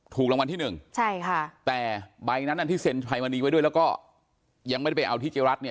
ถูกรางวัลที่หนึ่งใช่ค่ะแต่ใบนั้นที่เซ็นภัยมณีไว้ด้วยแล้วก็ยังไม่ได้ไปเอาที่เจ๊รัฐเนี่ย